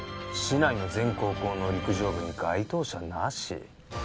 市内の全高校の陸上部に該当者なし？